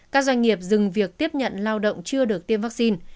các doanh nghiệp dừng việc tiếp nhận lao động chưa được tiêm vaccine